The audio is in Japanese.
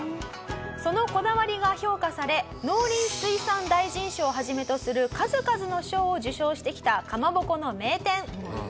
そのこだわりが評価され農林水産大臣賞をはじめとする数々の賞を受賞してきたかまぼこの名店。